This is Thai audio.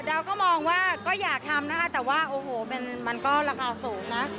เราก็มองว่าก็อยากทำนะคะแต่ว่าโอ้โหมันก็ราคาสูงนะ